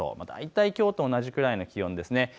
大体きょうと同じくらいの気温ですね。